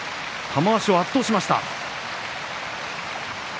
玉鷲を圧倒しました。